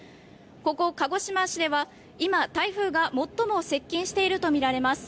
ここ鹿児島市では今、台風が最も接近しているとみられます。